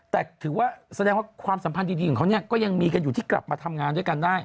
แต่ถือว่าแสดงว่าความสัมพันธ์ดีของเขาก็ยังมีกันอยู่ที่กลับมาทำงานด้วยกันได้